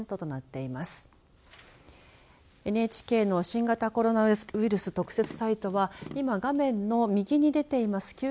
ＮＨＫの新型コロナウイルス特設サイトは今、画面の右に出ています